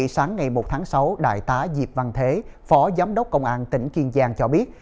sáng ngày một tháng sáu đại tá diệp văn thế phó giám đốc công an tỉnh kiên giang cho biết